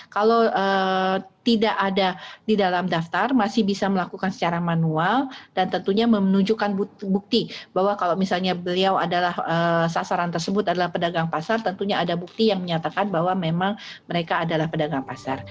kalau tidak ada di dalam daftar masih bisa melakukan secara manual dan tentunya menunjukkan bukti bahwa kalau misalnya beliau adalah sasaran tersebut adalah pedagang pasar tentunya ada bukti yang menyatakan bahwa memang mereka adalah pedagang pasar